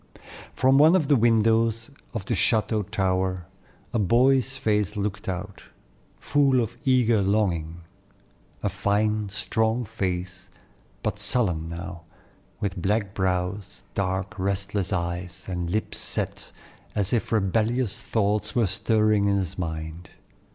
Always loyal. From one of the windows of the chateau tower a boy's face looked out, full of eager longing, a fine, strong face, but sullen now, with black brows, dark, restless eyes, and lips set, as if rebellious thoughts were stirring in his mind.